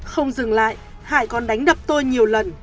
không dừng lại hải còn đánh đập tôi nhiều lần